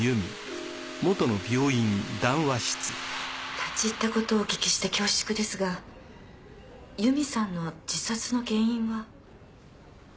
立ち入ったことをお聞きして恐縮ですが由美さんの自殺の原因は？